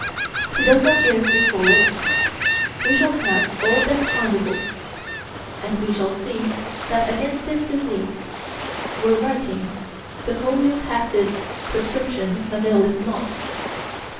He does not give a full list. We shall have all that's findable, and we shall see that against this disease we're writing, the homeopathist's prescription availeth not.